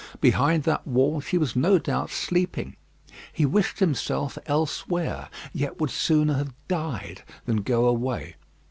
Behind that wall she was no doubt sleeping. He wished himself elsewhere, yet would sooner have died than go away.